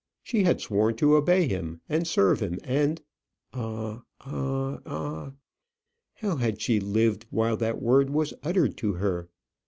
She had sworn to obey him, and serve him, and Ah! ah! ah! How had she lived while that word was uttered to her!